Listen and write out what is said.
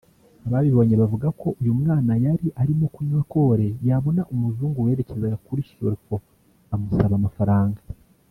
Ababibonye bavuga ko uyu mwana yari arimo kunywa kore yabona umuzungu werekezaga kuri Sulfo amusaba amafaranga